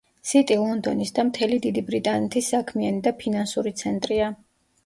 სიტი ლონდონის და მთელი დიდი ბრიტანეთის საქმიანი და ფინანსური ცენტრია.